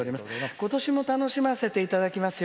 今年も楽しませていただきますよ。